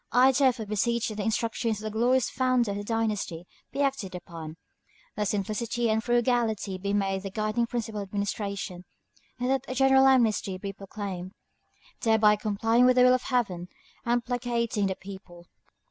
I, therefore, beseech that the instructions of the glorious founder of the dynasty be acted upon; that simplicity and frugality be made the guiding principle of administration; and that a general amnesty be proclaimed, thereby complying with the will of Heaven and placating the people.